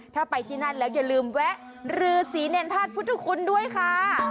ถ้าไปที่นั่นแล้วอย่าลืมแวะรือศรีเนรธาตุพุทธคุณด้วยค่ะ